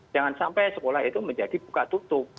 jangan sampai sekolah itu menjadi buka tutup